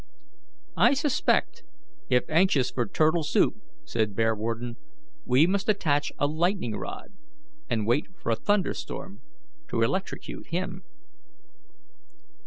"I suspect, if anxious for turtle soup," said Bearwarden, "we must attach a lightning rod, and wait for a thunderstorm to electrocute him."